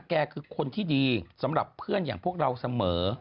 แกคือคนที่ดีสำหรับเพื่อนอย่างพวกเราเสมอ